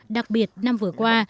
đặc biệt năm vừa qua